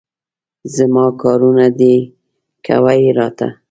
زما کارونه دي، کوه یې راته.